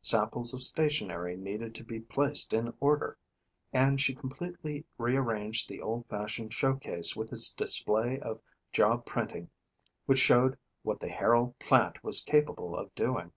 Samples of stationery needed to be placed in order and she completely rearranged the old fashioned show case with its display of job printing which showed what the Herald plant was capable of doing.